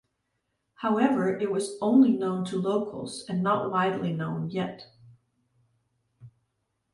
However, it was only known to locals and not widely known, yet.